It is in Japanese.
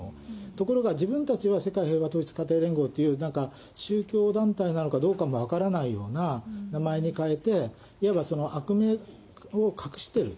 ところが自分たちは、世界平和統一家庭連合という、なんか宗教団体なのかどうかも分からないような名前に変えて、いわばその悪名を隠している。